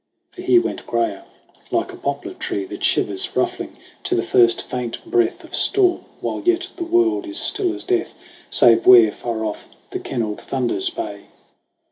For he went grayer like a poplar tree That shivers, ruffling to the first faint breath Of storm, while yet the world is still as death Save where, far off, the kenneled thunders bay.